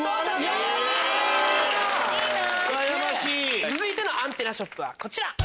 続いてのアンテナショップはこちら。